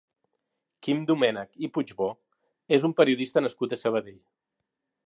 Quim Domènech i Puigbó és un periodista nascut a Sabadell.